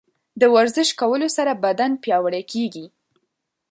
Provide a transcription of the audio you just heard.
د ورزش کولو سره بدن پیاوړی کیږي.